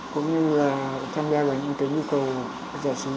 cũng như là tham gia vào những cái nhu cầu giải trí cơ bản của mỗi cá nhân